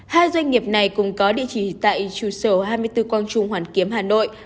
hai doanh nghiệp này cùng có địa chỉ tại chủ sở hai mươi bốn quang trung hoàn kiếm hà nội